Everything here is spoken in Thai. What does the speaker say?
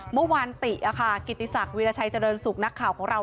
เมื่อวานติกิติศักดิราชัยเจริญสุขนักข่าวของเรา